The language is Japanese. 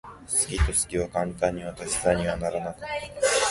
好きと好きは簡単には足し算にはならなかったね。